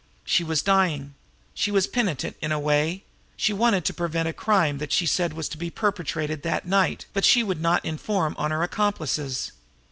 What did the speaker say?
She was dying; she was penitent in a way; she wanted to prevent a crime that she said was to be perpetrated that night, but she would not inform on her accomplices.